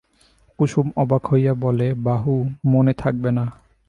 কুসুম অবাক হইয়া বলে, বাহু, মনে থাকবে না?